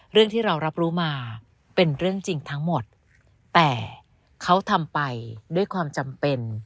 เรื่องที่เรารับรู้มาเป็นเรื่องจริงทั้งหมดแต่เขาทำไปด้วยความจำเป็น